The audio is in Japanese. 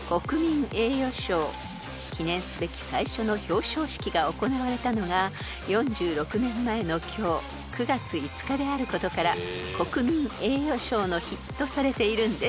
［記念すべき最初の表彰式が行われたのが４６年前の今日９月５日であることから国民栄誉賞の日とされているんです］